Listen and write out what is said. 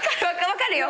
分かるよ。